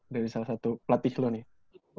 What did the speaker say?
dari salah satu pelatih flow nih